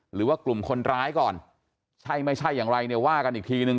หรือว่ากลุ่มคนร้ายก่อนใช่ไม่ใช่อย่างไรเนี่ยว่ากันอีกทีนึง